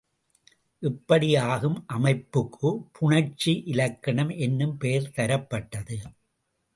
இப்படி ஆகும் அமைப்புக்குப் புணர்ச்சி இலக்கணம் என்னும் பெயர் தரப்பட்டது.